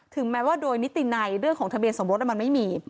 แม้ว่าโดยนิตินัยเรื่องของทะเบียนสมรสมันไม่มี